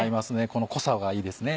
この濃さがいいですね。